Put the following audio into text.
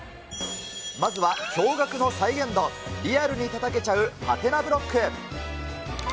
まずは驚がくの再現度、リアルにたたけちゃうハテナブロック。